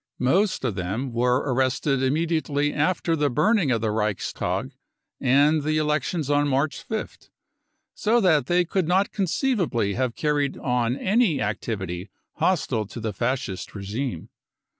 Most of them were arrested immediately after the burning of the Reichstag and the elections on March 5th, so that they could not conceivably have carried on any activity hostile to the Fascist regime.